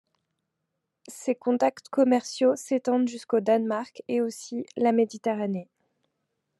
Ses contacts commerciaux s'étendent jusqu'au Danemark et aussi la Méditerranée.